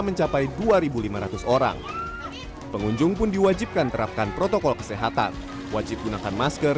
mencapai dua ribu lima ratus orang pengunjung pun diwajibkan terapkan protokol kesehatan wajib gunakan masker